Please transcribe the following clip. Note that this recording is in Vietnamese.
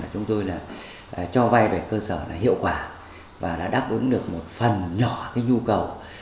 chúng tôi cho vai về cơ sở hiệu quả và đã đáp ứng được một phần nhỏ nhu cầu